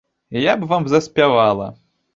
Я б вам заспявала!